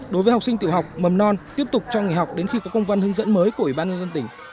đối với học sinh tiểu học mầm non tiếp tục cho nghỉ học đến khi có công văn hướng dẫn mới của ủy ban nhân dân tỉnh